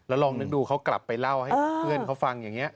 แล้วลองนึกดูเค้ากลับไปเล่าให้เพื่อนเค้าฟังอย่างเงี้ย